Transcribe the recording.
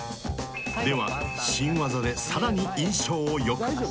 ［では新技でさらに印象を良く］